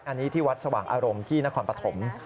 อันนี้ที่วัดสว่างอารมณ์ที่นครปฐม